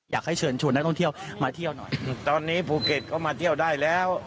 อยากให้เชิญชวนนักท่องเที่ยวมาเที่ยวหน่อยตอนนี้ภูเก็ตก็มาเที่ยวได้แล้ว